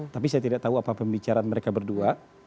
tapi saya tidak tahu apa pembicaraan mereka berdua